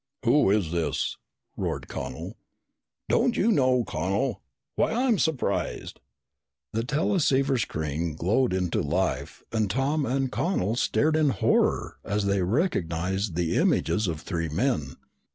"Who is this?" roared Connel. "Don't you know, Connel? Why, I'm surprised!" The teleceiver screen glowed into life and Tom and Connel stared in horror as they recognized the images of three men.